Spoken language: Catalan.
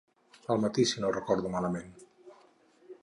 Al matí si no recordo malament.